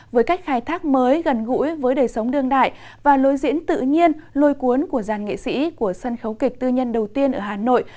với cách khai thác mới gần gũi với đời sống đương đại và lối diễn tự nhiên lôi cuốn của dàn nghệ sĩ của sân khấu kịch tư nhân đầu tiên ở hà nội